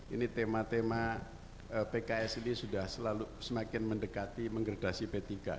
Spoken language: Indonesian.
ini tema tema pks ini sudah selalu semakin mendekati menggerdasi p tiga